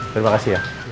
terima kasih ya